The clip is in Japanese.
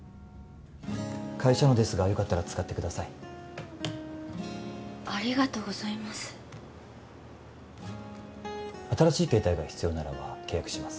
会社のですがよかったら使ってくださいありがとうございます新しい携帯が必要ならば契約します